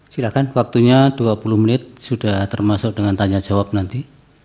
silakan waktunya dua puluh menit sudah termasuk dengan tanya jawab nanti